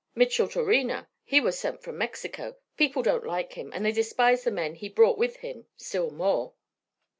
"Micheltorena. He was sent from Mexico. People don't like him, and they despise the men he brought with him, still more."